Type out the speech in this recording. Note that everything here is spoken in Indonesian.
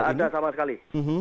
tidak ada sama sekali